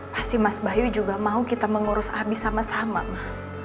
pasti mas bayu juga mau kita mengurus abis sama sama mah